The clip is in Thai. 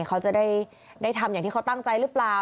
เขาจะได้ทำอย่างที่เขาตั้งใจหรือเปล่า